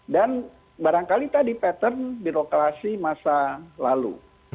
dan barangkali tadi pattern birokrasi masa lalu